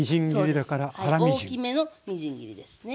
大きめのみじん切りですね。